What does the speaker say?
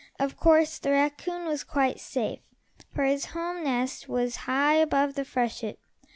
Of course the raccoon was quite safe, for his home nest was high above the freshet.